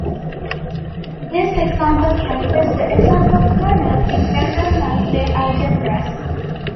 This example captures the essence of kernels in general Mal'cev algebras.